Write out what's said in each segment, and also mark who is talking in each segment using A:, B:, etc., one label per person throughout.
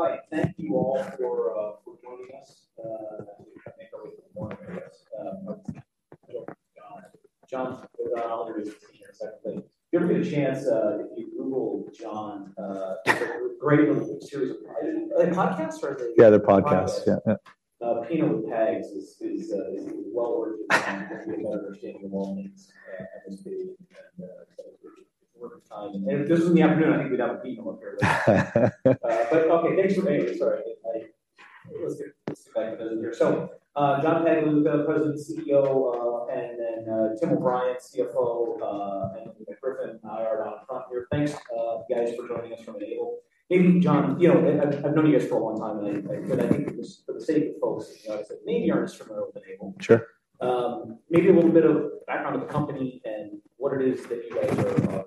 A: All right, thank you all for joining us. I think early in the morning, I guess. John, Jason Ader is senior executive. You'll get a chance, if you Google John, great little series of are they podcasts or are they-
B: Yeah, they're podcasts. Yeah, yeah.
A: Pinot with Pags is well worth your time to get a better understanding of the moments, and worth your time. And if this was in the afternoon, I think we'd have a Pinot up here. But okay, thanks for being here. Sorry, let's get back to business here. So, John Pagliuca, President and CEO, and then Tim O'Brien, CFO, and Griffin and I are down front here. Thanks, guys, for joining us from N-able. Maybe, John, you know, I've known you guys for a long time, but I think just for the sake of folks, you know, maybe aren't as familiar with N-able.
B: Sure.
A: Maybe a little bit of background on the company and what it is that you guys are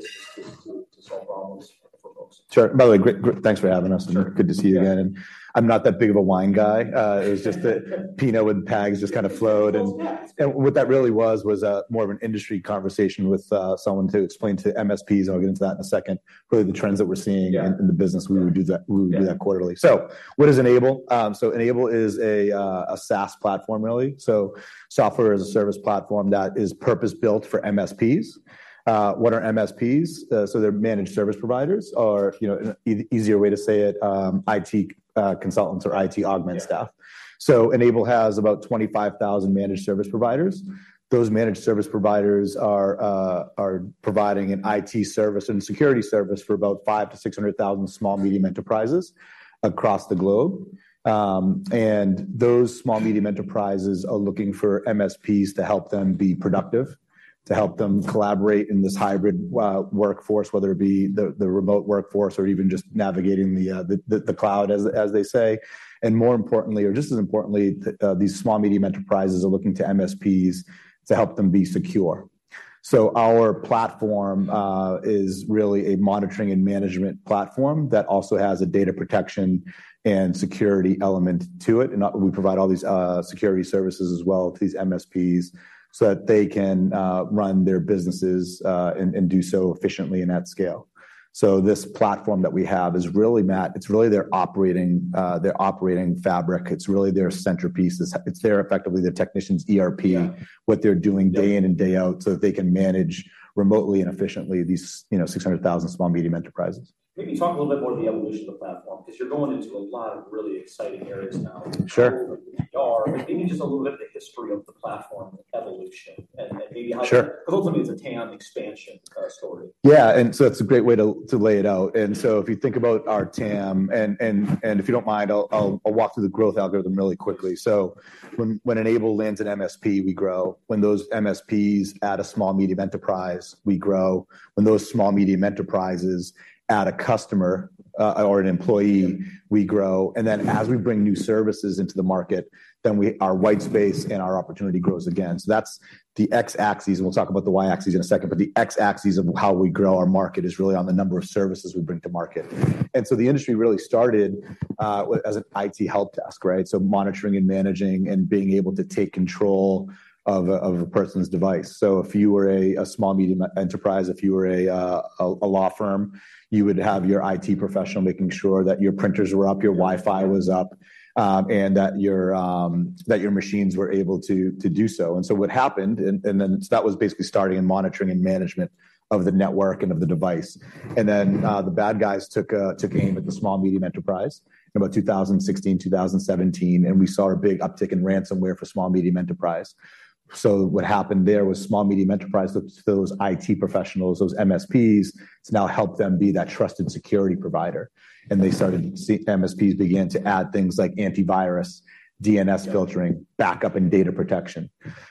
A: to solve problems for folks.
B: Sure. By the way, great, great, thanks for having us, and good to see you again. I'm not that big of a wine guy. It was just that Pinot with Pags just kind of flowed, and-
A: Yeah.
B: And what that really was was more of an industry conversation with someone to explain to MSPs, and I'll get into that in a second, really the trends that we're seeing-
A: Yeah.
B: in the business. We would do that, we would do that quarterly. So what is N-able? So N-able is a, a SaaS platform, really. So Software as a Service platform that is purpose-built for MSPs. What are MSPs? So they're managed service providers, or, you know, an easier way to say it, IT consultants or IT augment staff.
A: Yeah.
B: So N-able has about 25,000 managed service providers. Those managed service providers are providing an IT service and security service for about 500,000-600,000 small medium enterprises across the globe. And those small medium enterprises are looking for MSPs to help them be productive, to help them collaborate in this hybrid workforce, whether it be the remote workforce or even just navigating the cloud, as they say. And more importantly, or just as importantly, these small medium enterprises are looking to MSPs to help them be secure. So our platform is really a monitoring and management platform that also has a data protection and security element to it, and we provide all these security services as well to these MSPs so that they can run their businesses, and do so efficiently and at scale. So this platform that we have is really Matt, it's really their operating fabric. It's really their centerpiece. It's effectively their technicians ERP-
A: Yeah.
B: what they're doing day in and day out, so that they can manage remotely and efficiently these, you know, 600,000 small medium enterprises.
A: Maybe talk a little bit more of the evolution of the platform, because you're going into a lot of really exciting areas now.
B: Sure.
A: Maybe just a little bit of the history of the platform evolution and maybe how-
B: Sure.
A: Because ultimately, it's a TAM expansion, story.
B: Yeah, and so that's a great way to lay it out. And so if you think about our TAM, and if you don't mind, I'll walk through the growth algorithm really quickly. So when N-able lands an MSP, we grow. When those MSPs add a small medium enterprise, we grow. When those small medium enterprises add a customer or an employee, we grow. And then, as we bring new services into the market, our white space and our opportunity grows again. So that's the X-axis, and we'll talk about the Y-axis in a second, but the X-axis of how we grow our market is really on the number of services we bring to market. And so the industry really started as an IT help desk, right? So monitoring and managing and being able to take control of a person's device. So if you were a small medium enterprise, if you were a law firm, you would have your IT professional making sure that your printers were up, your Wi-Fi was up, and that your machines were able to do so. And so what happened, that was basically starting in monitoring and management of the network and of the device. And then the bad guys took aim at the small medium enterprise in about 2016-2017, and we saw a big uptick in ransomware for small medium enterprise. So what happened there was small medium enterprise, those IT professionals, those MSPs, to now help them be that trusted security provider. And they started to see MSPs began to add things like antivirus, DNS filtering, backup, and data protection.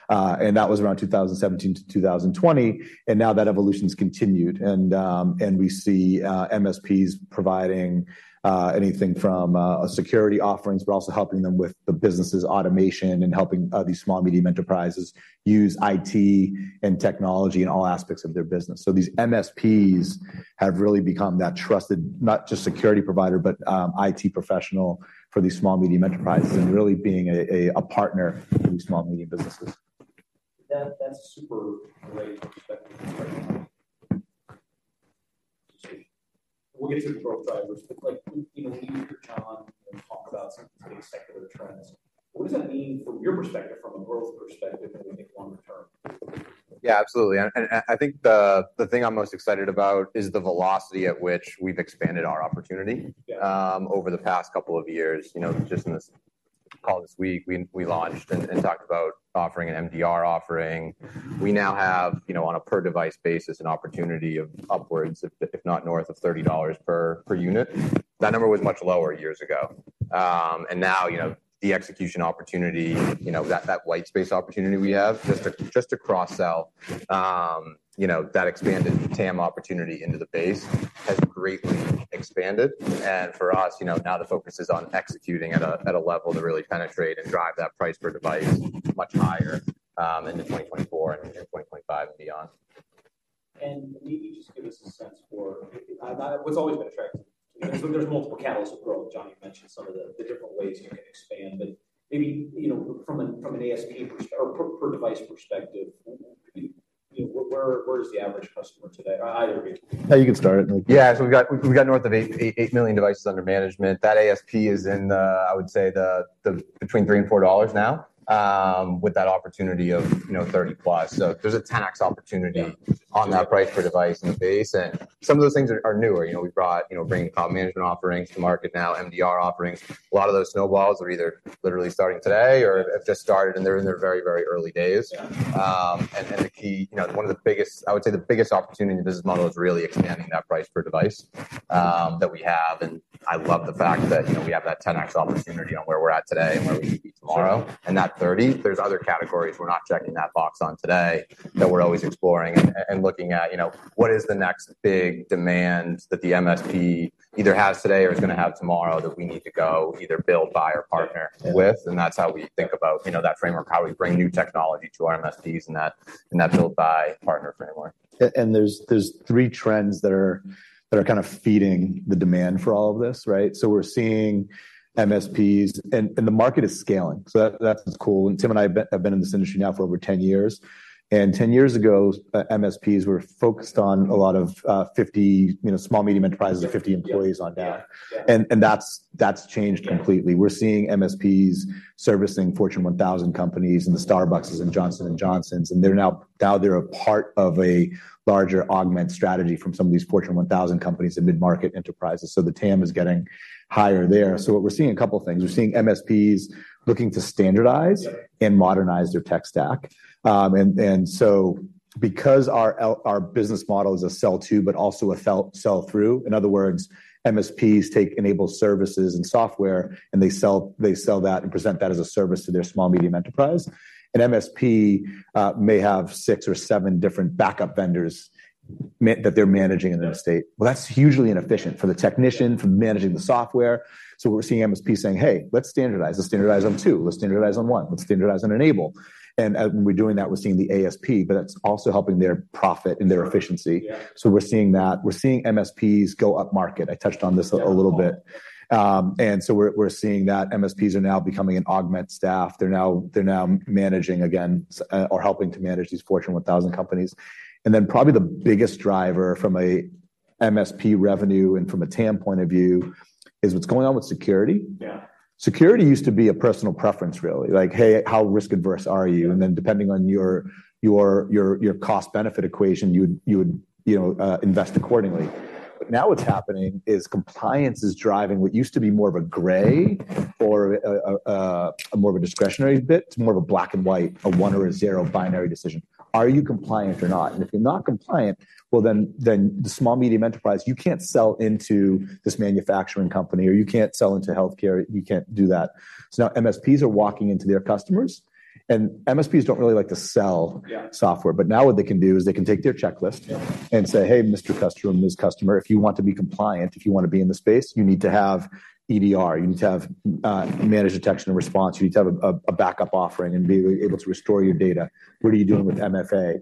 B: And that was around 2017-2020, and now that evolution's continued, and we see MSPs providing anything from a security offerings, but also helping them with the business' automation and helping these small medium enterprises use IT and technology in all aspects of their business. So these MSPs have really become that trusted, not just security provider, but IT professional for these small medium enterprises and really being a partner for these small medium businesses.
A: That, that's super great perspective. We'll get to the growth drivers, but like, you know, we hear John talk about some big secular trends. What does that mean from your perspective, from a growth perspective and we think longer term?
C: Yeah, absolutely. And I think the thing I'm most excited about is the velocity at which we've expanded our opportunity-
A: Yeah....
C: over the past couple of years. You know, just in this call this week, we launched and talked about offering an MDR offering. We now have, you know, on a per-device basis, an opportunity of upwards of $30 per unit, if not north of $30 per unit. That number was much lower years ago. And now, you know, the execution opportunity, you know, that white space opportunity we have, just to cross-sell, you know, that expanded TAM opportunity into the base has greatly expanded. And for us, you know, now the focus is on executing at a level to really penetrate and drive that price per device much higher into 2024 and 2025 and beyond.
A: And maybe just give us a sense for what's always been attractive. So there's multiple catalysts of growth. John, you mentioned some of the different ways you can expand, but maybe, you know, from an ASP perspective or per device perspective, maybe... Where is the average customer today? I agree.
B: Yeah, you can start it, like-
C: Yeah, so we've got north of 8 million devices under management. That ASP is in the, I would say, the between $3 and $4 now, with that opportunity of, you know, $30+. So there's a tax opportunity on that price per device and the base, and some of those things are newer. You know, we brought, you know, bringing cloud management offerings to market now, MDR offerings. A lot of those snowballs are either literally starting today or have just started, and they're in their very, very early days. And then the key, you know, one of the biggest, I would say the biggest opportunity in the business model is really expanding that price per device that we have. And I love the fact that, you know, we have that 10x opportunity on where we're at today and where we could be tomorrow. And that $30, there's other categories we're not checking that box on today, that we're always exploring and, and looking at, you know, what is the next big demand that the MSP either has today or is going to have tomorrow, that we need to go either build, buy or partner with? And that's how we think about, you know, that framework, how we bring new technology to our MSPs and that, and that build, buy, partner framework.
B: And there's three trends that are kind of feeding the demand for all of this, right? So we're seeing MSPs, and the market is scaling, so that's cool. And Tim and I have been in this industry now for over 10 years, and 10 years ago, MSPs were focused on a lot of 50, you know, small medium enterprises, 50 employees on that.
A: Yeah.
B: That's changed completely. We're seeing MSPs servicing Fortune 1000 companies and the Starbuckses and Johnson & Johnsons, and they're now a part of a larger augmentation strategy from some of these Fortune 1000 companies and mid-market enterprises. So the TAM is getting higher there. So what we're seeing a couple things. We're seeing MSPs looking to standardize-
A: Yeah....
B: and modernize their tech stack. And so because our business model is a sell to, but also a sell through, in other words, MSPs take N-able services and software, and they sell, they sell that and present that as a service to their small medium enterprise. An MSP may have six or seven different backup vendors that they're managing in their state. Well, that's hugely inefficient for the technician, for managing the software. So we're seeing MSP saying, "Hey, let's standardize. Let's standardize on two. Let's standardize on one. Let's standardize on N-able." And we're doing that, we're seeing the ASP, but that's also helping their profit and their efficiency.
A: Yeah.
B: So we're seeing that. We're seeing MSPs go upmarket. I touched on this a little bit. And so we're seeing that MSPs are now becoming an augmented staff. They're now managing again, or helping to manage these Fortune 1000 companies. And then probably the biggest driver from a MSP revenue and from a TAM point of view is what's going on with security.
A: Yeah.
B: Security used to be a personal preference really, like, "Hey, how risk averse are you?
A: Yeah.
B: And then, depending on your cost-benefit equation, you would, you know, invest accordingly. But now what's happening is compliance is driving what used to be more of a gray or a more of a discretionary bit to more of a black-and-white, a one or a zero binary decision. Are you compliant or not? And if you're not compliant, well, then the small medium enterprise, you can't sell into this manufacturing company, or you can't sell into healthcare. You can't do that. So now MSPs are walking into their customers, and MSPs don't really like to sell-
C: Yeah....
B: software. But now what they can do is they can take their checklist-
C: Yeah.
B: and say, "Hey, Mr. Customer and Ms. Customer, if you want to be compliant, if you want to be in the space, you need to have EDR, you need to have managed detection and response. You need to have a backup offering and be able to restore your data. What are you doing with MFA?"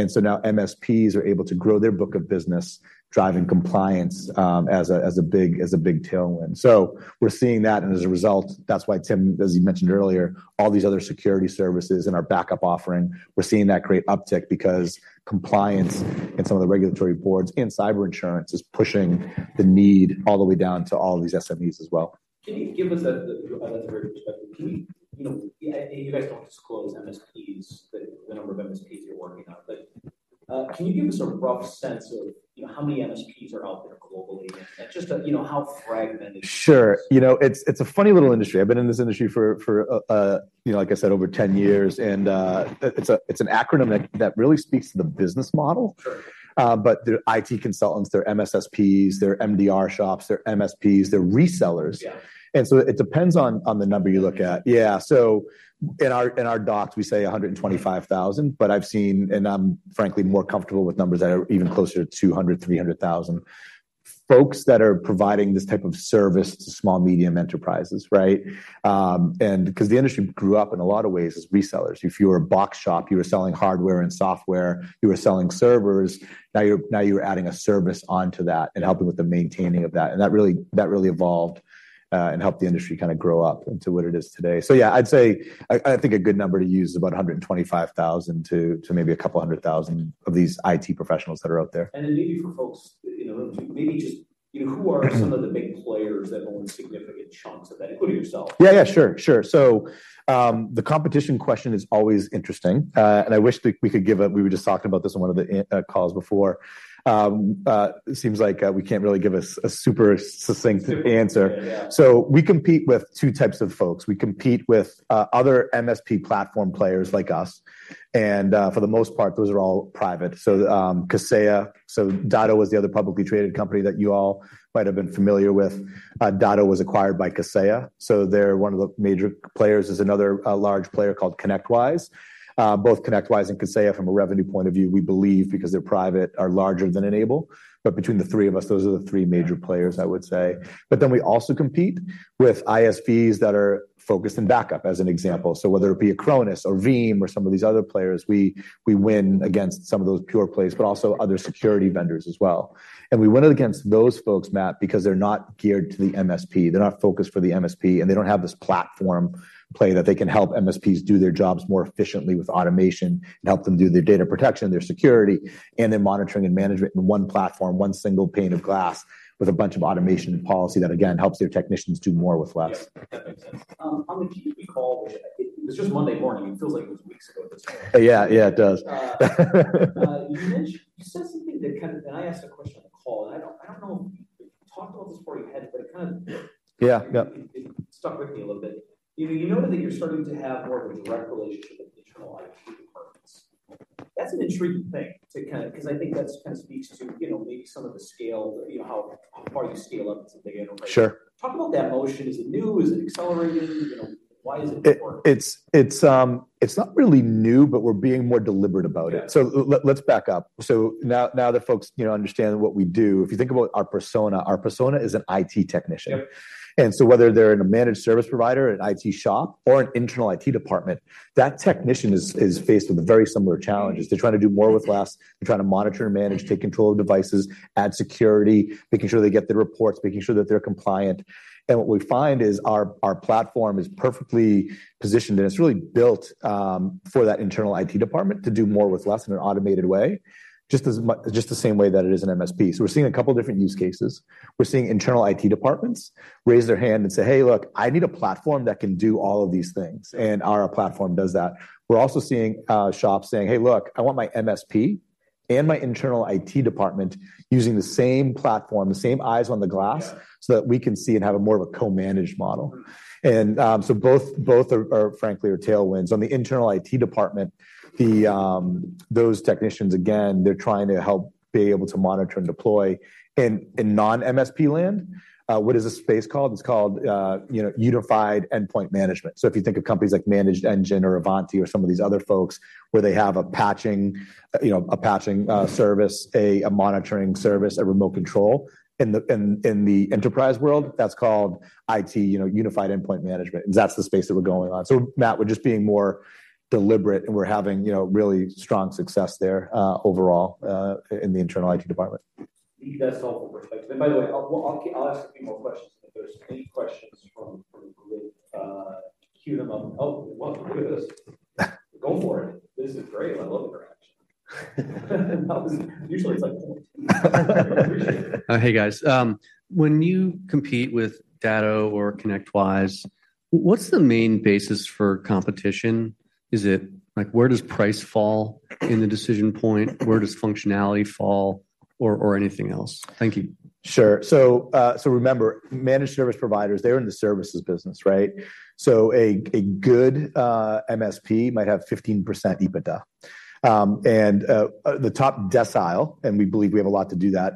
B: And so now MSPs are able to grow their book of business, driving compliance as a big tailwind. So we're seeing that, and as a result, that's why Tim, as you mentioned earlier, all these other security services and our backup offering, we're seeing that great uptick because compliance and some of the regulatory boards and cyber insurance is pushing the need all the way down to all these SMEs as well.
A: Can you give us another perspective? You know, you guys don't disclose MSPs, the number of MSPs you're working on, but can you give us a rough sense of, you know, how many MSPs are out there globally? And just, you know, how fragmented-
B: Sure. You know, it's a funny little industry. I've been in this industry for, you know, like I said, over 10 years, and it's an acronym that really speaks to the business model.
A: Sure.
B: But they're IT consultants, they're MSSPs, they're MDR shops, they're MSPs, they're resellers.
A: Yeah.
B: It depends on the number you look at. Yeah, so in our docs, we say 125,000, but I've seen, and I'm frankly more comfortable with numbers that are even closer to 200,000-300,000. Folks that are providing this type of service to small, medium enterprises, right? And because the industry grew up in a lot of ways as resellers. If you were a box shop, you were selling hardware and software, you were selling servers, now you're adding a service onto that and helping with the maintaining of that. And that really evolved and helped the industry kind of grow up into what it is today. So yeah, I'd say I think a good number to use is about 125,000-200,000 of these IT professionals that are out there.
A: And then maybe for folks in the room to maybe just... You know, who are some of the big players that own significant chunks of that, including yourself?
B: Yeah, yeah, sure, sure. So, the competition question is always interesting, and I wish we could give a. We were just talking about this on one of the calls before. It seems like we can't really give a super succinct answer.
A: Yeah.
B: So we compete with two types of folks. We compete with other MSP platform players like us, and for the most part, those are all private. So Kaseya, so Datto was the other publicly traded company that you all might have been familiar with. Datto was acquired by Kaseya, so they're one of the major players. There's another large player called ConnectWise. Both ConnectWise and Kaseya, from a revenue point of view, we believe, because they're private, are larger than N-able. But between the three of us, those are the three major players, I would say. But then we also compete with ISVs that are focused in backup, as an example. So whether it be Acronis or Veeam or some of these other players, we, we win against some of those pure plays, but also other security vendors as well. We win it against those folks, Matt, because they're not geared to the MSP. They're not focused for the MSP, and they don't have this platform play that they can help MSPs do their jobs more efficiently with automation and help them do their data protection, their security, and their monitoring and management in one platform, one single pane of glass, with a bunch of automation and policy that, again, helps their technicians do more with less.
A: Yeah, that makes sense. How many do you recall? It's just Monday morning. It feels like it was weeks ago this morning.
B: Yeah, yeah, it does.
A: You said something that kind of... And I asked a question on the call, and I don't know... talked about this before you had, but it kind of-
B: Yeah, yeah.
A: It stuck with me a little bit. You know, you noted that you're starting to have more of a direct relationship with internal IT departments. That's an intriguing thing to kinda 'cause I think that's kinda speaks to, you know, maybe some of the scale, you know, how far you scale up today, I know, right?
B: Sure.
A: Talk about that motion. Is it new? Is it accelerating? You know, why is it important?
B: It's not really new, but we're being more deliberate about it.
A: Yeah.
B: So let's back up. So now that folks, you know, understand what we do, if you think about our persona, our persona is an IT technician.
A: Yep.
B: And so whether they're in a managed service provider, an IT shop, or an internal IT department, that technician is faced with very similar challenges. They're trying to do more with less. They're trying to monitor and manage, take control of devices, add security, making sure they get the reports, making sure that they're compliant. And what we find is our platform is perfectly positioned, and it's really built for that internal IT department to do more with less in an automated way, just the same way that it is an MSP. So we're seeing a couple different use cases. We're seeing internal IT departments raise their hand and say, "Hey, look, I need a platform that can do all of these things," and our platform does that. We're also seeing shops saying, "Hey, look, I want my MSP and my internal IT department using the same platform, the same eyes on the glass-
A: Yeah....
B: so that we can see and have a more of a co-managed model.
A: Mm-hmm.
B: And so both are frankly tailwinds. On the internal IT department, those technicians, again, they're trying to help be able to monitor and deploy. In non-MSP land, what is the space called? It's called, you know, Unified Endpoint Management. So if you think of companies like ManageEngine or Ivanti or some of these other folks, where they have a patching, you know, a patching service, a monitoring service, a remote control. In the enterprise world, that's called IT, you know, Unified Endpoint Management, and that's the space that we're going on. So Matt, we're just being more deliberate, and we're having, you know, really strong success there, overall, in the internal IT department.
A: That's helpful perspective. And by the way, I'll ask a few more questions. If there's any questions from the group, queue them up. Oh, well, look at this. Go for it. This is great. I love interaction. Obviously, usually, it's like...
D: Hey, guys, when you compete with Datto or ConnectWise, what's the main basis for competition? Is it like... Where does price fall in the decision point? Where does functionality fall or anything else? Thank you.
B: Sure. So, so remember, managed service providers, they're in the services business, right? So a good MSP might have 15% EBITDA. And, the top decile, and we believe we have a lot to do that,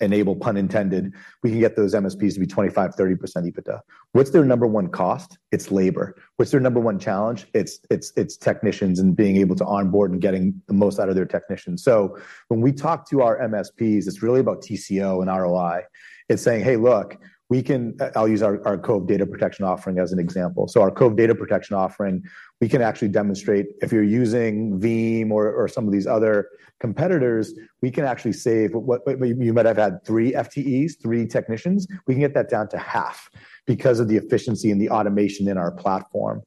B: N-able, N-able, pun intended, we can get those MSPs to be 25%-30% EBITDA. What's their number one cost? It's labor. What's their number one challenge? It's technicians and being able to onboard and getting the most out of their technicians. So when we talk to our MSPs, it's really about TCO and ROI. It's saying, "Hey, look, we can--" I'll use our Cove Data Protection offering as an example. So our Cove Data Protection offering, we can actually demonstrate if you're using Veeam or some of these other competitors, we can actually save what-- you might have had three FTEs, three technicians. We can get that down to half because of the efficiency and the automation in our platform.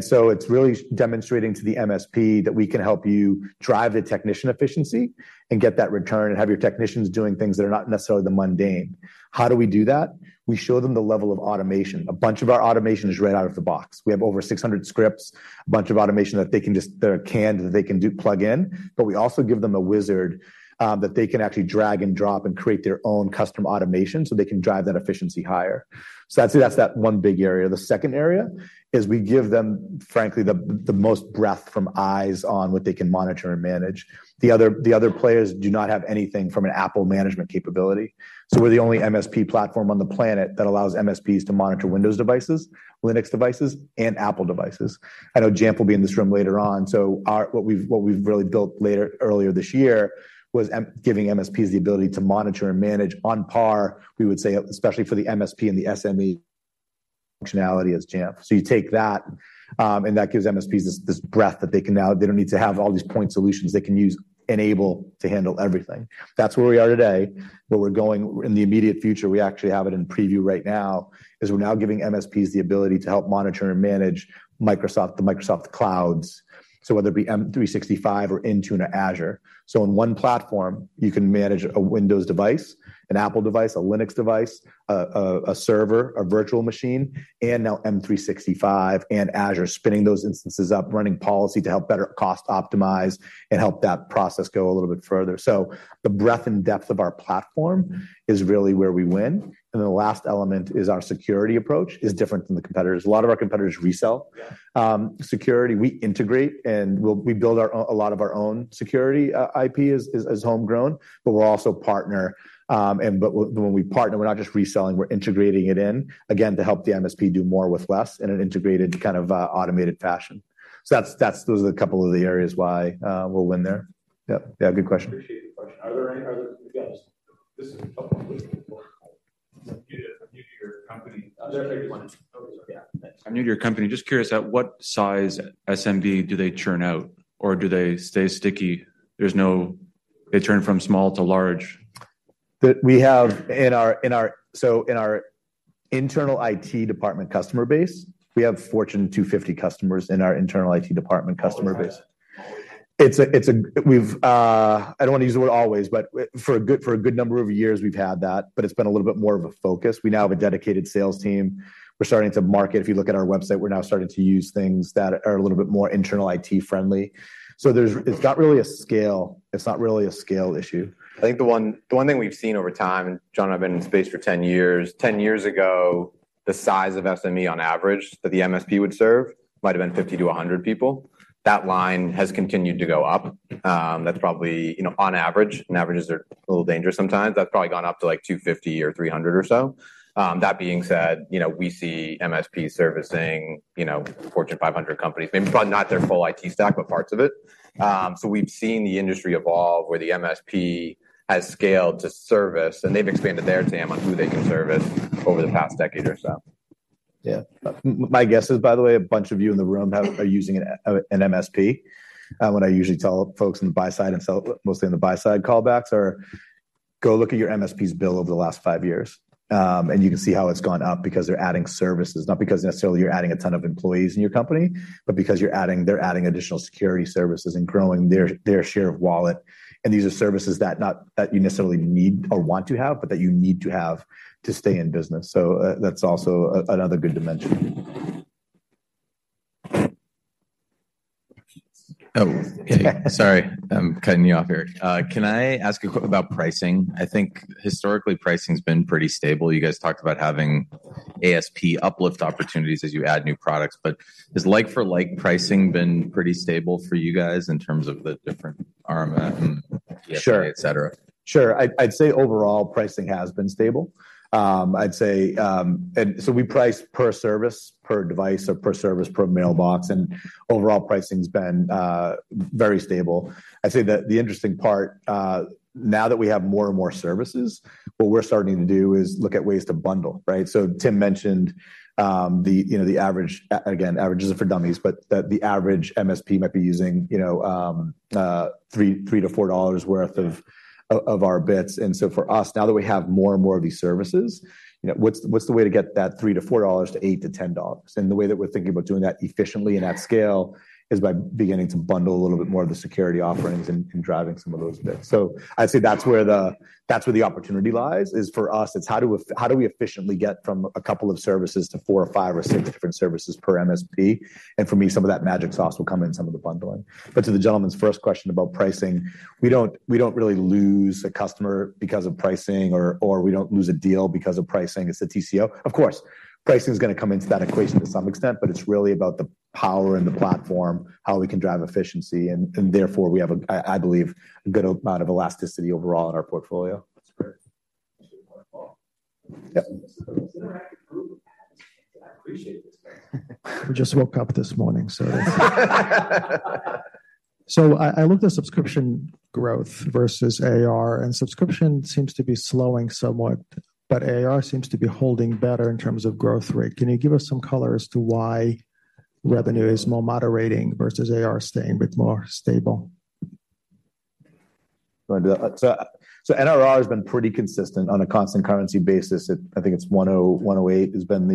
B: So it's really demonstrating to the MSP that we can help you drive the technician efficiency and get that return and have your technicians doing things that are not necessarily the mundane. How do we do that? We show them the level of automation. A bunch of our automation is right out of the box. We have over 600 scripts, a bunch of automation that are canned, that they can plug in, but we also give them a wizard that they can actually drag and drop and create their own custom automation, so they can drive that efficiency higher. So I'd say that's that one big area. The second area is we give them, frankly, the most breadth from eyes on what they can monitor and manage. The other players do not have anything from an Apple management capability. So we're the only MSP platform on the planet that allows MSPs to monitor Windows devices, Linux devices, and Apple devices. I know Jamf will be in this room later on. So our what we've really built earlier this year was giving MSPs the ability to monitor and manage on par, we would say, especially for the MSP and the SME functionality as Jamf. So you take that, and that gives MSPs this breadth that they can now they don't need to have all these point solutions. They can use N-able to handle everything. That's where we are today, but we're going in the immediate future, we actually have it in preview right now, is we're now giving MSPs the ability to help monitor and manage Microsoft, the Microsoft clouds, so whether it be M365 or Intune or Azure. So in one platform, you can manage a Windows device, an Apple device, a Linux device, a server, a virtual machine, and now M365 and Azure, spinning those instances up, running policy to help better cost optimize and help that process go a little bit further. So the breadth and depth of our platform is really where we win, and the last element is our security approach, is different than the competitors. A lot of our competitors resell security. We integrate, and we'll build a lot of our own security IP as homegrown, but we're also partners. When we partner, we're not just reselling, we're integrating it in, again, to help the MSP do more with less in an integrated, kind of automated fashion. So those are a couple of the areas why we'll win there. Yep, yeah, good question.
A: Appreciate the question. Are there any other... Yeah.
E: This is a couple of weeks before. I'm new to your company.
A: There's one. Okay, sorry.
E: Yeah, thanks. I'm new to your company. Just curious, at what size SMB do they churn out, or do they stay sticky? There's no-- they churn from small to large.
B: So in our internal IT department customer base, we have Fortune 250 customers in our internal IT department customer base. It's a, we've, I don't wanna use the word always, but for a good number of years we've had that, but it's been a little bit more of a focus. We now have a dedicated sales team. We're starting to market. If you look at our website, we're now starting to use things that are a little bit more internal IT-friendly. So there's – it's not really a scale issue.
C: I think the one thing we've seen over time, John, I've been in space for 10 years. 10 years ago, the size of SME on average, that the MSP would serve, might have been 50-100 people. That line has continued to go up. That's probably, you know, on average, and averages are a little dangerous sometimes. That's probably gone up to, like, 250 or 300 or so. That being said, you know, we see MSP servicing, you know, Fortune 500 companies, maybe, but not their full IT stack, but parts of it. So we've seen the industry evolve, where the MSP has scaled to service, and they've expanded their TAM on who they can service over the past decade or so.
B: Yeah. My guess is, by the way, a bunch of you in the room are using an MSP. What I usually tell folks on the buy side and sell, mostly on the buy side, callbacks are, "Go look at your MSP's bill over the last five years," and you can see how it's gone up because they're adding services. Not because necessarily you're adding a ton of employees in your company, but because you're adding- they're adding additional security services and growing their, their share of wallet. And these are services that not, that you necessarily need or want to have, but that you need to have to stay in business. So, that's also another good dimension.
F: Oh, sorry, I'm cutting you off here. Can I ask you quick about pricing? I think historically, pricing's been pretty stable. You guys talked about having ASP uplift opportunities as you add new products, but has like for like pricing been pretty stable for you guys in terms of the different RMM and-
B: Sure.
F: Et cetera?
B: Sure. I'd, I'd say overall, pricing has been stable. I'd say... And so we price per service, per device or per service, per mailbox, and overall pricing's been very stable. I'd say that the interesting part, now that we have more and more services, what we're starting to do is look at ways to bundle, right? So Tim mentioned, the, you know, the average, again, averages are for dummies, but the, the average MSP might be using, you know, $3-$4 worth of our bits. And so for us, now that we have more and more of these services, you know, what's, what's the way to get that $3-$4 to $8-$10? The way that we're thinking about doing that efficiently and at scale is by beginning to bundle a little bit more of the security offerings and driving some of those bits. So I'd say that's where the opportunity lies, is for us. It's how do we efficiently get from a couple of services to four or five or six different services per MSP? And for me, some of that magic sauce will come in some of the bundling. But to the gentleman's first question about pricing, we don't really lose a customer because of pricing, or we don't lose a deal because of pricing. It's the TCO. Of course, pricing is gonna come into that equation to some extent, but it's really about the power and the platform, how we can drive efficiency, and therefore, we have a, I believe, a good amount of elasticity overall in our portfolio.
A: That's great. Yep. Interactive group. I appreciate this.
G: We just woke up this morning, so I looked at subscription growth versus AR, and subscription seems to be slowing somewhat, but AR seems to be holding better in terms of growth rate. Can you give us some color as to why revenue is more moderating versus AR staying a bit more stable?
B: You wanna do that? So, NRR has been pretty consistent on a constant currency basis. I think it's 101, 108 has been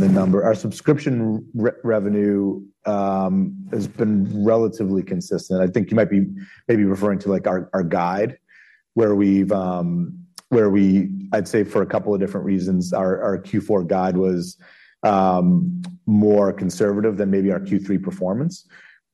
B: the number. Our subscription revenue has been relatively consistent. I think you might be referring to, like, our guide. I'd say for a couple of different reasons, our Q4 guide was more conservative than maybe our Q3 performance.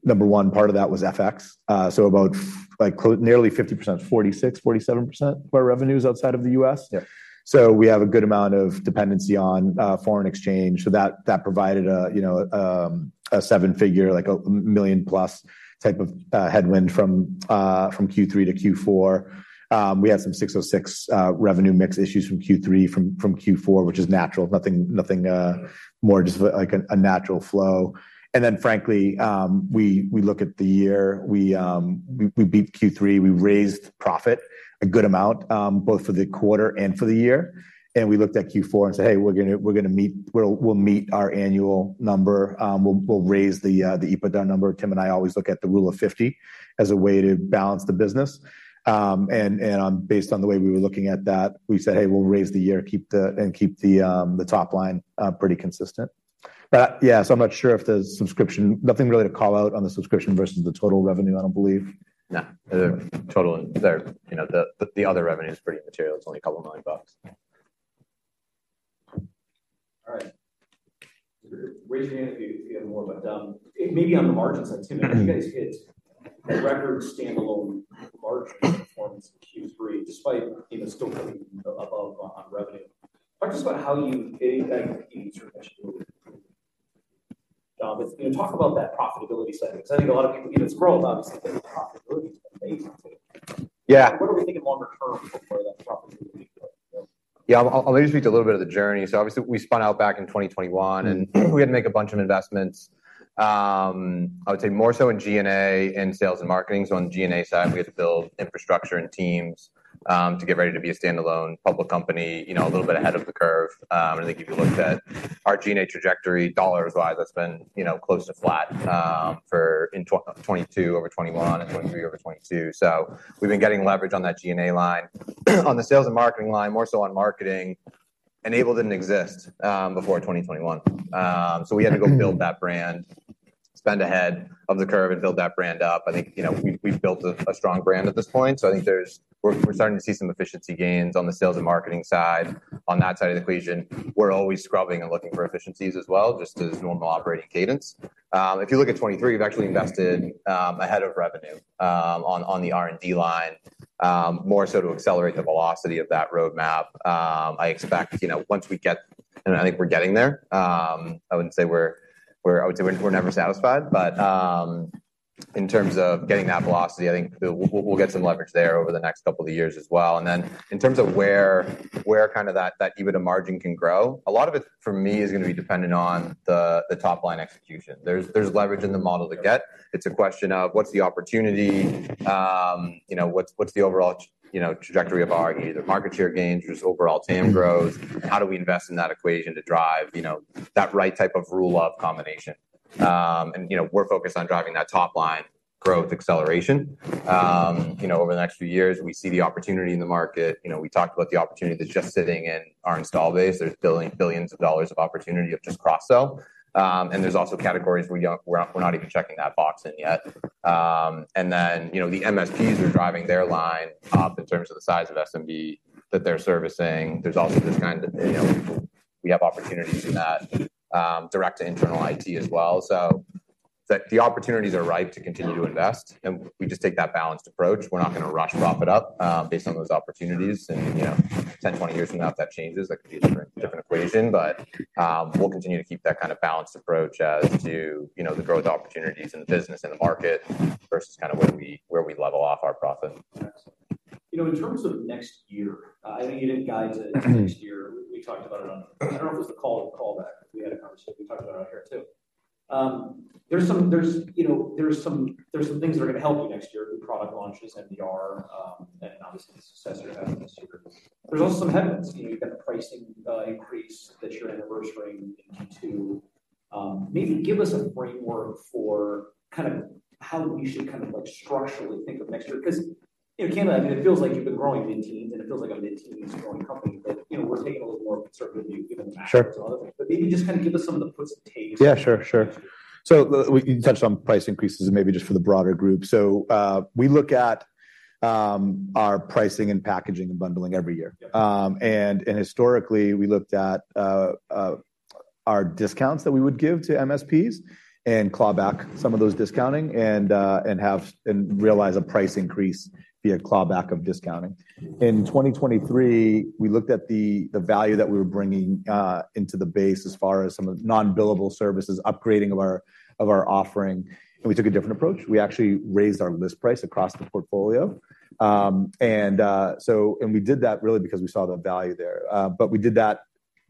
B: Number one, part of that was FX. So about, like, nearly 50%, 46%-47% of our revenue is outside of the US.
G: Yeah.
B: So we have a good amount of dependency on foreign exchange. So that provided a, you know, a seven-figure, like, a million-plus type of headwind from Q3 to Q4. We had some 606 revenue mix issues from Q3 to Q4, which is natural. Nothing more, just like a natural flow. And then, frankly, we look at the year, we beat Q3, we raised profit a good amount, both for the quarter and for the year. And we looked at Q4 and said, "Hey, we're gonna meet our annual number. We'll meet our annual number. We'll raise the EBITDA number." Tim and I always look at the Rule of 50 as a way to balance the business. based on the way we were looking at that, we said, "Hey, we'll raise the year, keep the top line pretty consistent." But yeah, so I'm not sure if there's subscription... Nothing really to call out on the subscription versus the total revenue, I don't believe.
C: No. The total there, you know, the other revenue is pretty material. It's only $2 million.
A: All right. Raise your hand if you, if you have more. But, maybe on the margin side, Tim, you guys hit a record standalone margin performance in Q3, despite, you know, still being above on revenue. Talk to us about how you maintain that profitability. You know, talk about that profitability side, because I think a lot of people, you know, it's growth, obviously, but the profitability is amazing too.
C: Yeah.
A: What do we think of longer term for that profitability?
C: Yeah, I'll maybe speak to a little bit of the journey. So obviously, we spun out back in 2021, and we had to make a bunch of investments. I would say more so in G&A, in sales and marketing. So on the G&A side, we had to build infrastructure and teams, to get ready to be a standalone public company, you know, a little bit ahead of the curve. And I think if you looked at our G&A trajectory, dollars-wise, that's been, you know, close to flat, for in 2022 over 2021 and 2023 over 2022. So we've been getting leverage on that G&A line. On the sales and marketing line, more so on marketing,... N-able didn't exist before 2021. So we had to go build that brand, spend ahead of the curve and build that brand up. I think, you know, we've, we've built a, a strong brand at this point. So I think there's- we're, we're starting to see some efficiency gains on the sales and marketing side. On that side of the equation, we're always scrubbing and looking for efficiencies as well, just as normal operating cadence. If you look at 2023, we've actually invested ahead of revenue on the R&D line more so to accelerate the velocity of that roadmap. I expect, you know, once we get... And I think we're getting there. I wouldn't say we're – I would say we're never satisfied, but in terms of getting that velocity, I think we'll get some leverage there over the next couple of years as well. And then, in terms of where that EBITDA margin can grow, a lot of it, for me, is gonna be dependent on the top-line execution. There's leverage in the model to get. It's a question of what's the opportunity? You know, what's the overall trajectory of our either market share gains, just overall TAM growth? How do we invest in that equation to drive, you know, that right type of rule of combination? And, you know, we're focused on driving that top-line growth acceleration. You know, over the next few years, we see the opportunity in the market. You know, we talked about the opportunity that's just sitting in our install base. There are billions of dollars of opportunity of just cross-sell. And there's also categories where we're not even checking that box in yet. And then, you know, the MSPs are driving their line up in terms of the size of SMB that they're servicing. There's also this kind of, you know, we have opportunities in that, direct to internal IT as well. So the opportunities are right to continue to invest, and we just take that balanced approach. We're not gonna rush profit up, based on those opportunities. And, you know, 10, 20 years from now, if that changes, that could be a different equation. But, we'll continue to keep that kind of balanced approach as to, you know, the growth opportunities in the business and the market versus kind of where we level off our profit.
A: You know, in terms of next year, I think you didn't guide to next year. We talked about it on... I don't know if it was the call or the call back. We had a conversation, we talked about it on here, too. There's some things that are gonna help you next year with product launches, MDR, and obviously, the success you're having this year. There's also some headwinds. You know, you've got the pricing increase that you're anniversarying into. Maybe give us a framework for kind of how we should kind of like structurally think of next year. Because, you know, Canada, I mean, it feels like you've been growing mid-teens, and it feels like a mid-teen growing company. But, you know, we're taking a little more conservative view given the-
B: Sure.
A: Maybe just kind of give us some of the puts and takes.
B: Yeah, sure, sure. So we can touch on price increases and maybe just for the broader group. So, we look at our pricing and packaging and bundling every year.
A: Yep.
B: Historically, we looked at our discounts that we would give to MSPs and claw back some of those discounting and realize a price increase via clawback of discounting. In 2023, we looked at the value that we were bringing into the base as far as some of the non-billable services, upgrading of our offering, and we took a different approach. We actually raised our list price across the portfolio. And we did that really because we saw the value there. But we did that,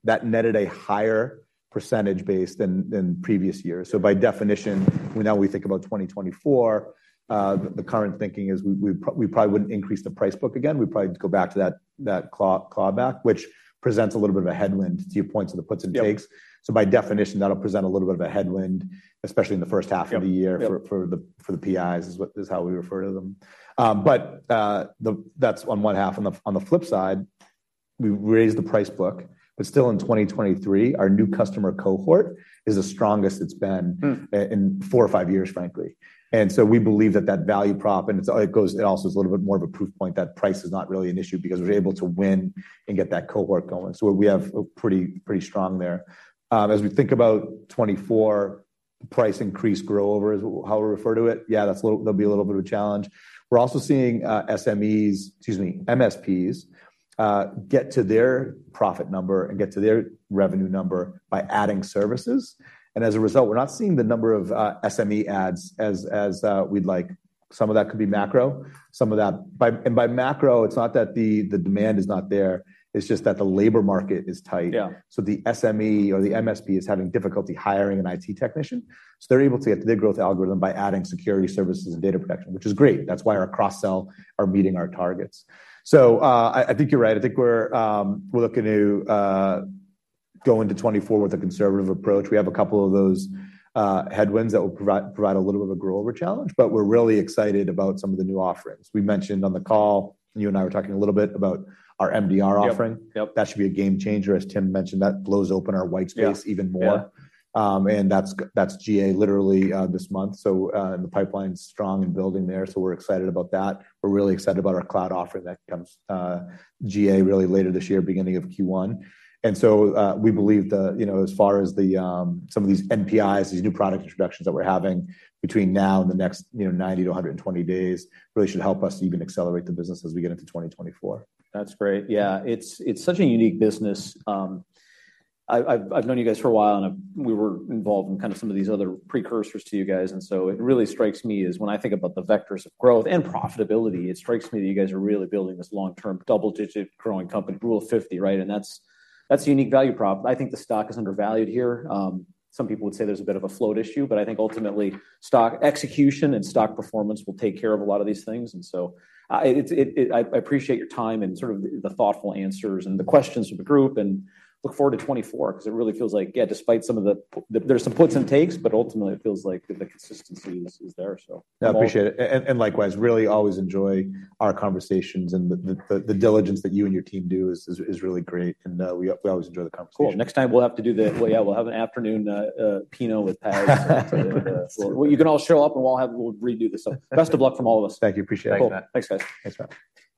B: that netted a higher percentage base than previous years. So by definition, now we think about 2024, the current thinking is we probably wouldn't increase the price book again. We'd probably go back to that, that claw, clawback, which presents a little bit of a headwind to your points of the puts and takes.
A: Yep.
B: So by definition, that'll present a little bit of a headwind, especially in the first half of the year-
A: Yep, yep.
B: ...for the PIs, is what, is how we refer to them. But that's on one half. On the flip side, we raised the price book, but still in 2023, our new customer cohort is the strongest it's been-
A: Mm.
B: In four or five years, frankly. And so we believe that that value prop, and it's. It goes, it also is a little bit more of a proof point that price is not really an issue because we're able to win and get that cohort going. So we have a pretty, pretty strong there. As we think about 2024, price increase grow over is how we refer to it. Yeah, that's a little bit of a challenge. We're also seeing SMEs, excuse me, MSPs, get to their profit number and get to their revenue number by adding services, and as a result, we're not seeing the number of SME adds as we'd like. Some of that could be macro, some of that... By and large, macro, it's not that the demand is not there, it's just that the labor market is tight.
A: Yeah.
B: So the SME or the MSP is having difficulty hiring an IT technician, so they're able to get to their growth algorithm by adding security services and data protection, which is great. That's why our cross-sell are meeting our targets. So, I, I think you're right. I think we're, we're looking to go into 2024 with a conservative approach. We have a couple of those headwinds that will provide, provide a little bit of a grow over challenge, but we're really excited about some of the new offerings. We mentioned on the call, you and I were talking a little bit about our MDR offering.
A: Yep, yep.
B: That should be a game changer. As Tim mentioned, that blows open our white space even more.
A: Yeah, yeah.
B: And that's GA, literally, this month. So, and the pipeline's strong and building there, so we're excited about that. We're really excited about our cloud offering that comes GA really later this year, beginning of Q1. And so, we believe the, you know, as far as the, some of these NPIs, these new product introductions that we're having between now and the next, you know, 90-120 days, really should help us even accelerate the business as we get into 2024.
A: That's great. Yeah, it's such a unique business. I've known you guys for a while, and we were involved in kind of some of these other precursors to you guys, and so it really strikes me is when I think about the vectors of growth and profitability, it strikes me that you guys are really building this long-term, double-digit, growing company, Rule of 50, right? And that's a unique value prop. I think the stock is undervalued here. Some people would say there's a bit of a float issue, but I think ultimately, stock execution and stock performance will take care of a lot of these things, and so I appreciate your time and sort of the thoughtful answers and the questions from the group, and look forward to 2024. 'Cause it really feels like, yeah, despite some of the... There's some puts and takes, but ultimately, it feels like the consistency is there, so-
B: I appreciate it. And likewise, really always enjoy our conversations, and the diligence that you and your team do is really great, and we always enjoy the conversation.
A: Cool. Next time, we'll have to do the... Well, yeah, we'll have an afternoon, Pinot with Pags. Well, you can all show up, and we'll have- we'll redo this up. Best of luck from all of us.
B: Thank you. Appreciate it.
A: Cool. Thanks, guys.
B: Thanks, Matt.